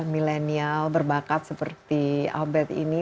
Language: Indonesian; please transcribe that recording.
milenial berbakat seperti albert ini